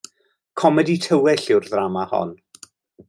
Comedi tywyll yw'r ddrama hon.